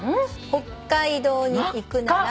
「北海道に行くなら」